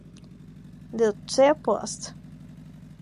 Deutsche Post